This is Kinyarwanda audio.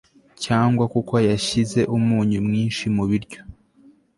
cyangwa kuko yashyize umunyu mwinshi mu biryo